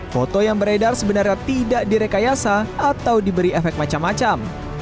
foto yang beredar sebenarnya tidak direkayasa atau diberi efek macam macam